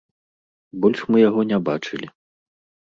Больш мы яго не бачылі.